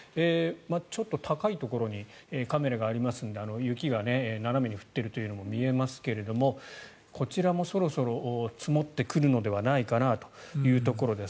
ちょっと高いところにカメラがありますので雪が斜めに降っているのも見えますけどこちらもそろそろ積もってくるのではないかということです。